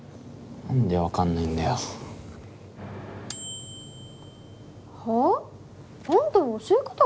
何で分かんないんだよ。はあ？あんたの教え方が悪いんでしょ。